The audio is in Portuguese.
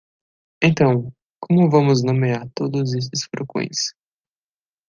Então, como vamos nomear todos esses furacões?